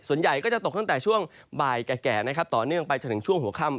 ส่วนใหญ่ก็จะตกตั้งแต่ช่วงบ่ายแก่นะครับต่อเนื่องไปจนถึงช่วงหัวค่ำ